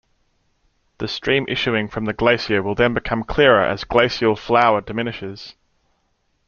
The stream issuing from the glacier will then become clearer as glacial flour diminishes.